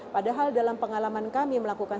padahal dalam pengalaman kami melakukan